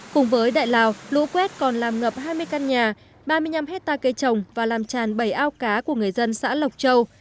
cùng với đại lào lũ quét còn làm ngập hai mươi căn nhà ba mươi năm hectare cây trồng và làm tràn bảy ao cá của người dân xã lộc châu